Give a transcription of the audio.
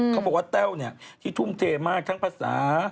เขาบอกว่าแต้วที่ทุ่มเทมากทั้งภาษา